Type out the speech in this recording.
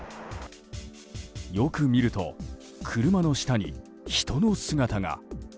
よく見ると、車の下に人の姿が。